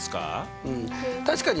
うん確かにね